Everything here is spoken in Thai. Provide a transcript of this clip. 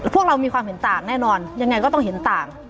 พวกเรามีความเห็นต่างแน่นอนยังไงก็ต้องเห็นต่าง